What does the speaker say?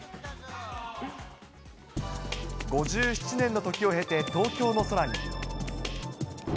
５７年の時を経て東京の空に。